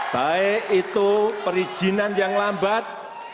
baik itu perizinan yang lambat